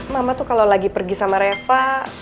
mama tuh kalau lagi pergi sama reva